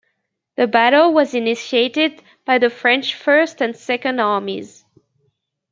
The battle was initiated by the French First and Second armies.